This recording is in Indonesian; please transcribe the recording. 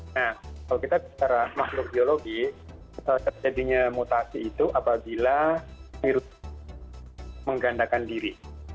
nah kalau kita bicara makhluk biologi terjadinya mutasi itu apabila virus menggandakan diri